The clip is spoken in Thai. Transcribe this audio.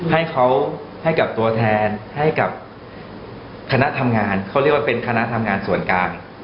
ให้เขาให้กับตัวแทนให้กับคณะทำงานเขาเรียกว่าเป็นคณะทำงานส่วนกลาง